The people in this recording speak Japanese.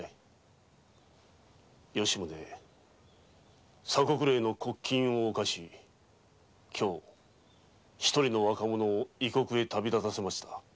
吉宗鎖国令の国禁を犯し今日一人の若者を異国へ旅立たせました。